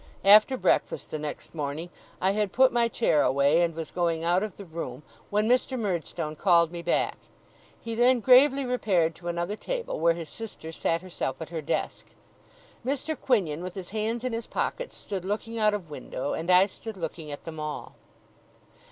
After breakfast, the next morning, I had put my chair away, and was going out of the room, when Mr. Murdstone called me back. He then gravely repaired to another table, where his sister sat herself at her desk. Mr. Quinion, with his hands in his pockets, stood looking out of window; and I stood looking at them all.